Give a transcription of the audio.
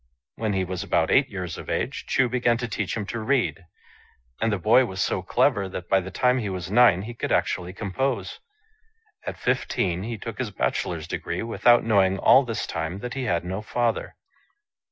When he was about eight years of age, Chu began to teach him to read ; and the boy was so clever that by the time he was nine he could actually compose. At fifteen he took his bachelor's degree, without knowing all this time that he had no father.